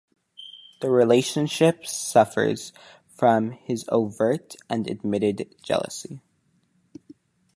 The relationship suffers from his overt and admitted jealousy.